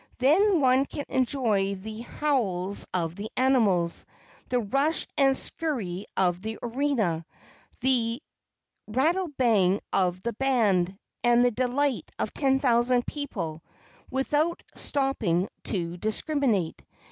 Then one can enjoy the howls of the animals, the rush and scurry of the arena, the rattlebang of the band, and the delight of ten thousand people, without stopping to discriminate.